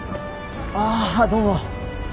ああどうも。